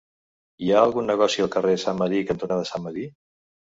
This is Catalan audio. Hi ha algun negoci al carrer Sant Medir cantonada Sant Medir?